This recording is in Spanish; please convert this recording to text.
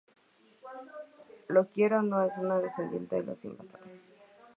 Lo quiera o no, es un descendiente de los invasores